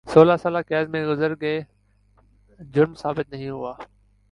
سولہ سال قید میں گزر گئے جرم ثابت نہیں ہوا